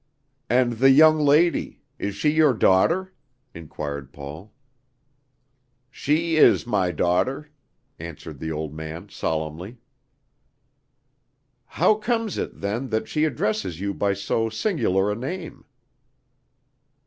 "And the young lady, is she your daughter?" inquired Paul. "She is my daughter," answered the old man solemnly. "How comes it, then, that she addresses you by so singular a name?"